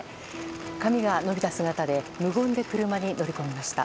髪が伸びた姿で無言で車に乗り込みました。